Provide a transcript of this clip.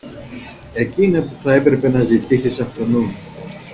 εκείνα που θα έπρεπε να ζητήσεις αυτουνού